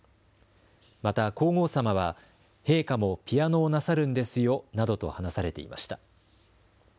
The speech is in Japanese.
また、皇后さまは、陛下もピアノをなさるんですよなどと話されていました。